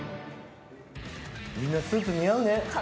みんな、スーツ似合うね。